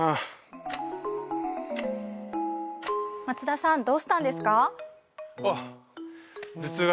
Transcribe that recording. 松田さんどうしたんですか？